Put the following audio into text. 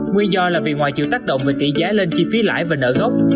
nguyên do là vì ngoài chịu tác động về tỷ giá lên chi phí lãi và nợ gốc